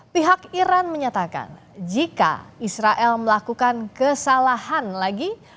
pihak iran menyatakan jika israel melakukan kesalahan lagi